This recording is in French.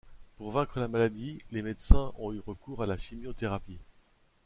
Pour vaincre la maladie, les médecins ont eu recours à la chimiothérapie.